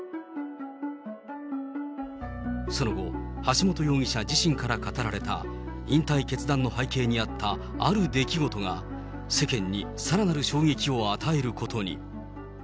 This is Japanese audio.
その後、橋本容疑者自身から語られた、引退決断の背景にあったある出来事が、世間にさらなる衝撃を与えることに。